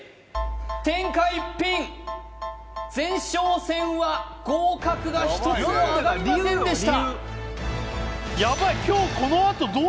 天下一品前哨戦は合格が１つもあがりませんでした